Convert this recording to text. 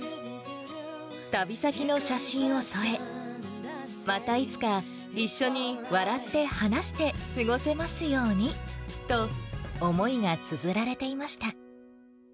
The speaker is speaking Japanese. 旅先の写真を添え、またいつか、一緒に笑って話して過ごせますようにと、思いがつづられていました。